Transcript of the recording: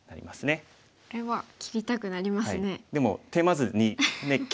これは切りたくなりますね。